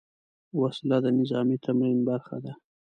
وسله د نظامي تمرین برخه ده